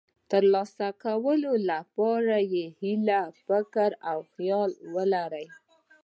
د ترلاسه کولو لپاره یې هیله، فکر او خیال ولرئ.